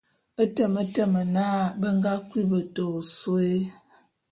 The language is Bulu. E temetem na, be nga kui beta ôsôé.